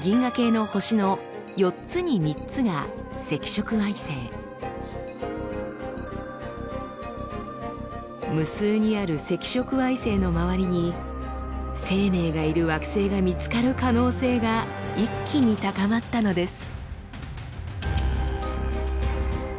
実は無数にある赤色矮星の周りに生命がいる惑星が見つかる可能性が一気に高まったのです。